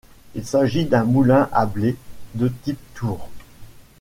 Il s'agit d'un moulin à blé de type tour.